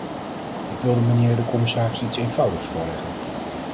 Ik wilde mijnheer de commissaris iets eenvoudigs voorleggen.